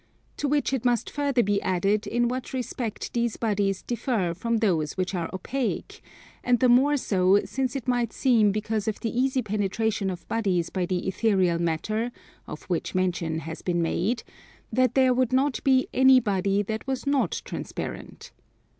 To which it must further be added in what respect these bodies differ from those which are opaque; and the more so since it might seem because of the easy penetration of bodies by the ethereal matter, of which mention has been made, that there would not be any body that was not transparent.